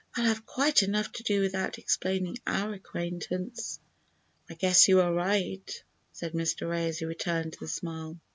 "I'll have quite enough to do without explaining our acquaintance." "I guess you are right," said Mr. Ray, as he returned the smile.